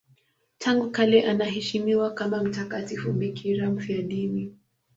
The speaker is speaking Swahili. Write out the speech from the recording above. Tangu kale anaheshimiwa kama mtakatifu bikira mfiadini.